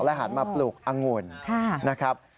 หันมาปลูกอังุ่นนะครับ